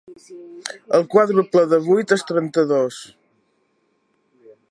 El quàdruple de vuit és trenta-dos.